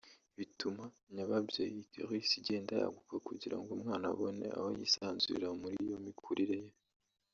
bituma nyababyeyi (uterus) igenda yaguka kugira ngo umwana abone aho yisanzurira muri iyo mikurire ye